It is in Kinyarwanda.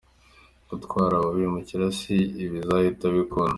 Gutwara aba bimukira si ibizahita bikunda